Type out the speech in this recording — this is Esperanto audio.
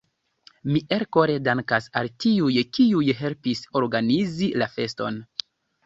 Mi elkore dankas al tiuj, kiuj helpis organizi la feston.